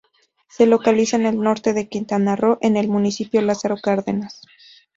Se localiza en el norte de Quintana Roo en el municipio Lázaro Cárdenas.